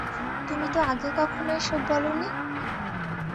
তুমি তো আগে কখনো এসব বলনি।